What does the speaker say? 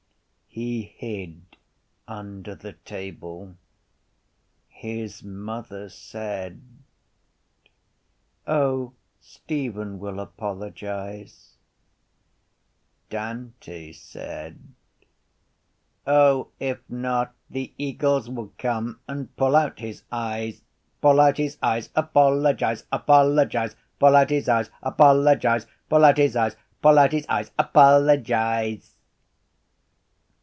He hid under the table. His mother said: —O, Stephen will apologise. Dante said: —O, if not, the eagles will come and pull out his eyes.— Pull out his eyes, Apologise, Apologise, Pull out his eyes. Apologise, Pull out his eyes, Pull out his eyes, Apologise.